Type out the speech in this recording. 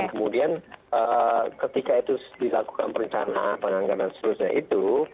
dan kemudian ketika itu dilakukan perencanaan penganggaran seterusnya itu